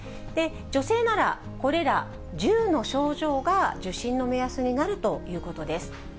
女性ならこれら１０の症状が受診の目安になるということです。